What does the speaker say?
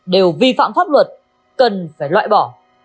đều vi phạm pháp luật cần phải loại bỏ